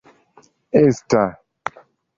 esta